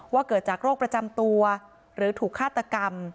เกิดจากโรคประจำตัวหรือถูกฆาตกรรม